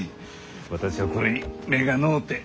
私はこれに目がのうて。